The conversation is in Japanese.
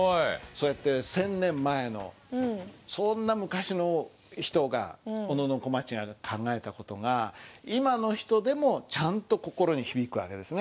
そうやって１，０００年前のそんな昔の人が小野小町が考えた事が今の人でもちゃんと心に響く訳ですね。